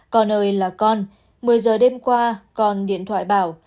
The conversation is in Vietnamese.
con ơi là con một mươi giờ đêm qua con điện thoại bảo